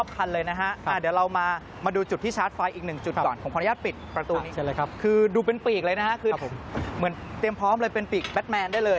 ด้านหน้ามาด้านนี้เลย